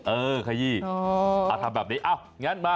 เออขยี้เอ้าทำแบบนี้เอ้างั้นมา